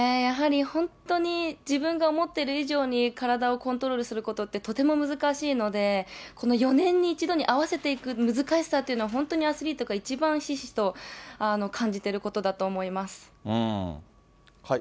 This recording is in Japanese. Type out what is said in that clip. やはり本当に自分が思っている以上に体をコントロールすることって、とても難しいので、この４年に１度に合わせていく難しさというのは、本当にアスリートが一番ひしひしと感じていることだと思います。